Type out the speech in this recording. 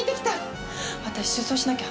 私出走しなきゃ！